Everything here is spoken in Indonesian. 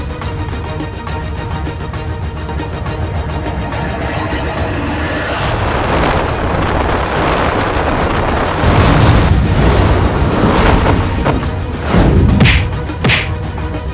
nihat kau hidup kembali